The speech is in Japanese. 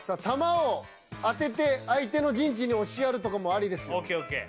玉を当てて相手の陣地に押しやるとかもありですよ